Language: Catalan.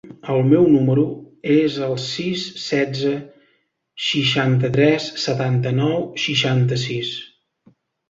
El meu número es el sis, setze, seixanta-tres, setanta-nou, seixanta-sis.